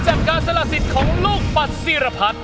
จากกาศลสิทธิ์ของลูกปัดสิรพัด